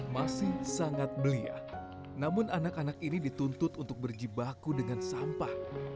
masih sangat belia namun anak anak ini dituntut untuk berjibaku dengan sampah